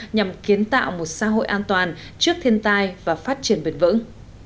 nhằm kiến tạo một xã hội an toàn trước thiên tai và phát triển bền vững